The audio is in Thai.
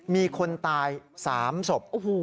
มีคนตาย๓ศพ